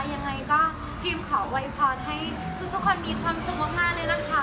ยังไงก็พิมขอโวยพรให้ทุกคนมีความสุขมากเลยนะคะ